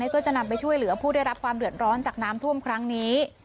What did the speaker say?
ก็จะนำไปช่วยเหลือผู้ได้รับความเดือดร้อนจากน้ำท่วมครั้งนี้